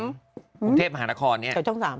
กรุงเทพธนาคอนนี้